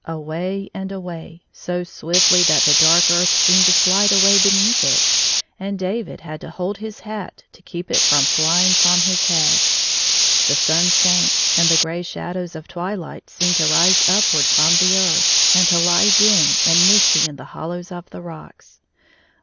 Away and away, so swiftly that the dark earth seemed to slide away beneath it, and David had to hold his hat to keep it from flying from his head. The sun sank, and the gray shadows of twi light seemed to rise upward from the earth, and to lie dim and misty in the hollows of the rocks.